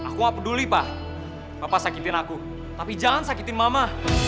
aku gak peduli pa papa sakitin aku tapi jangan sakitin mama